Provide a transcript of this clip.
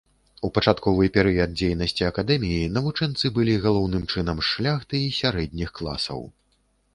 У пачатковы перыяд дзейнасці акадэміі навучэнцы былі галоўным чынам з шляхты і сярэдніх класаў.